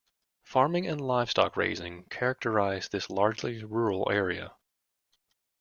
Farming and livestock-raising characterize this largely rural area.